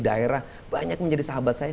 daerah banyak menjadi sahabat saya